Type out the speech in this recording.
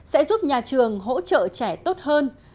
sẽ giúp nhà trường hỗ trợ trẻ tốt hơn